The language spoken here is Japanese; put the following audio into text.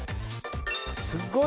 すっごい